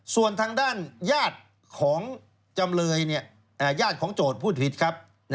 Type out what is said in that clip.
ส่วนทางด้านญาติของจำเลยญาติของโจทย์พูดผิดครับ